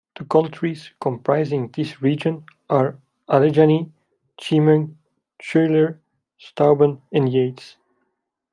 The counties comprising this region are Allegany, Chemung, Schuyler, Steuben, and Yates.